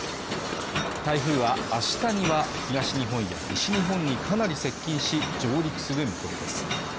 台風は明日には東日本や西日本にかなり接近し上陸する見込みです